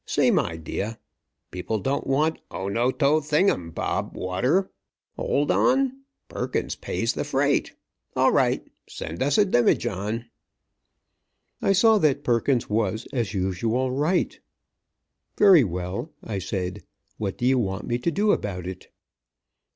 Same idea. People don't want O no to thing um bob water. Hold on, 'Perkins pays the freight!' All right, send us a demijohn!" I saw that Perkins was, as usual, right. "Very well," I said, "what do you want me to do about it?"